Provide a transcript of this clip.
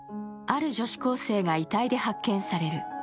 ある女子高生が遺体で発見される。